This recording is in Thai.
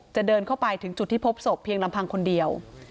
เดินเข้าไปถึงจุดที่พบศพเพียงลำพังคนเดียว